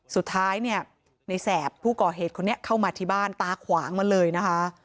สุดท้ายเนี่ยในแสบผู้ก่อเหตุคนนี้เข้ามาที่บ้านตาขวางมาเลยนะคะ